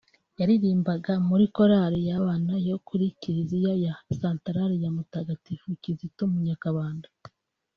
yaririmbaga muri Korali y’abana yo kuri Kiliziya ya Santarari ya Mutagatifu Kizito mu Nyakabanda